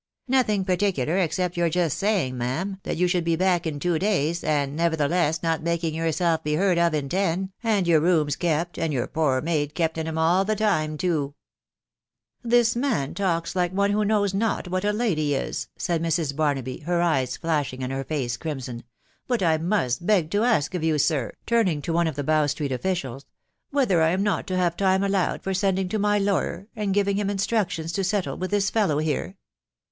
" Nothing particular, except your just saying, ma'am, that you should be back in two days, and nevertheless not making yourself be heard of in ten, and your rooms kept, and your poor maid kept in 'em all the time too." me. ..'"■■ TBI WIDOW BARNABY. S6\ " This man talks like one who knows not what a lady is," ftaia Mr 8. Barnaby, her eyes flashing, and her face crimson ; hut I must beg to ask of you, sir/ turning to one of the Bow street officials, " whether I am not to have time allowed for sending to my lawyer, and giving him instructions to settle with this fellow here